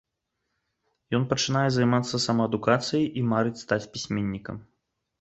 Ён пачынае займацца самаадукацыяй і марыць стаць пісьменнікам.